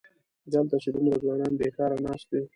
دلته چې دومره ځوانان بېکاره ناست وي.